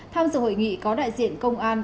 tham dự hội nghị có đại diện công an